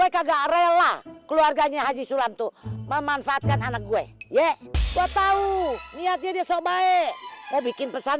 keluarganya haji sulam tuh memanfaatkan anak gue ye gue tahu niatnya dia sobae mau bikin pesan